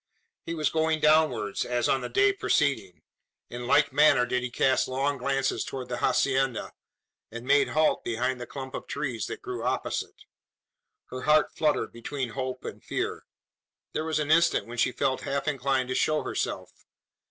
He was going downwards, as on the day preceding. In like manner did he cast long glances towards the hacienda, and made halt behind the clump of trees that grew opposite. Her heart fluttered between hope and fear. There was an instant when she felt half inclined to show herself.